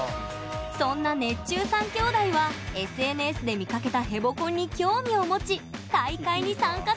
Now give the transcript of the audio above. そんな熱中３兄弟はＳＮＳで見かけた「ヘボコン」に興味を持ち大会に参加することに！